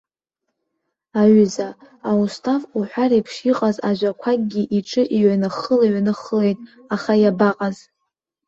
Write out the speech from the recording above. Аҩыза, аустав уҳәа реиԥш иҟаз ажәақәакгьы иҿы иҩанххыла-ҩанххылеит, аха иабаҟаз.